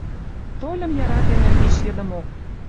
Тольым яратен мӹнь тиш йыдымок».